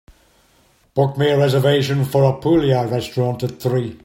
Book me a reservation for a puglia restaurant at three